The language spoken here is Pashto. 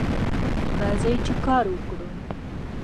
راځئ چې کار وکړو